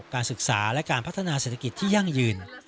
การศึกษาและการพัฒนาเศรษฐกิจที่ยั่งยืน